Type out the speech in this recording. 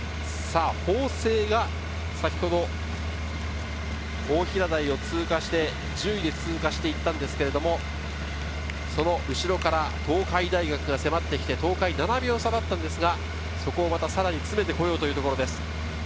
さぁ、法政が先ほど大平台を通過して１０位で通過していったんですけど、その後ろから東海大学が迫ってきて東海７秒差だったんですが、そこをまたさらに詰めてこようというところです。